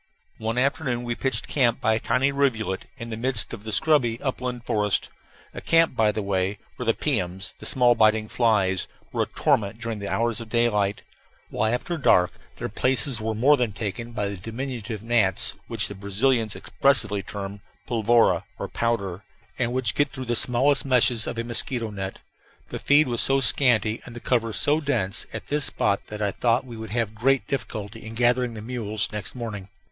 One afternoon we pitched camp by a tiny rivulet, in the midst of the scrubby upland forest; a camp, by the way, where the piums, the small, biting flies, were a torment during the hours of daylight, while after dark their places were more than taken by the diminutive gnats which the Brazilians expressively term "polvora," or powder, and which get through the smallest meshes of a mosquito net. The feed was so scanty, and the cover so dense, at this spot that I thought we would have great difficulty in gathering the mules next morning.